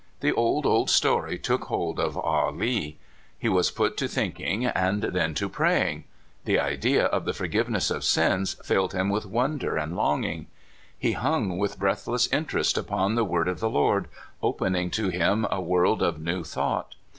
The old, old story took hold of Ah Lee. He was put to thinking and then to praying. The idea of the forgiveness of sins filled him with wonder and longing. He hung with breathless interest upon the word of the Lord, opening to him a world of new thought.